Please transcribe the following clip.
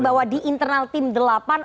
bahwa di internal tim delapan